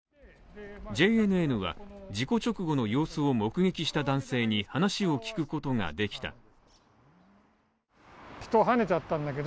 ＪＮＮは事故直後の様子を目撃した男性に話を聞くことができた。